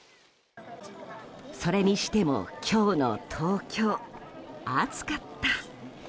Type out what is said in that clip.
それにしても、今日の東京暑かった。